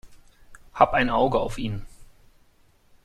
Hab ein Auge auf ihn.